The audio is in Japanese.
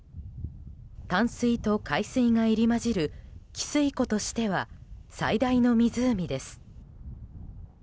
淡水と海水が入り混じる汽水湖としては最大の湖です。